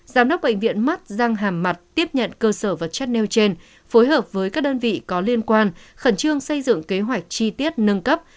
giám đốc bệnh viện mắt răng hàm mặt tiếp nhận cơ sở vật chất nêu trên phối hợp với các đơn vị có liên quan khẩn trương xây dựng kế hoạch chi tiết nâng cấp